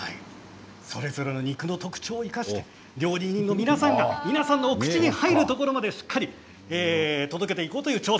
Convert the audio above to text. それぞれ肉の特徴を生かして料理人の皆さんが皆さんの口に入るところまで届けていこうという挑戦